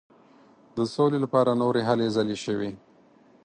د سولي لپاره نورې هلې ځلې شوې.